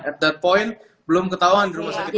at that point belum ketahuan di rumah sakit